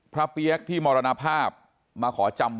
ฝ่ายกรเหตุ๗๖ฝ่ายมรณภาพกันแล้ว